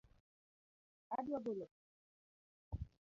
Adwa golo pesa